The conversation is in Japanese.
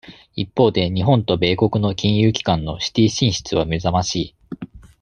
一方で、日本と米国の金融機関のシティ進出は目ざましい。